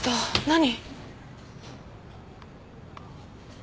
何？